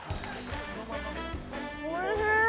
おいしい！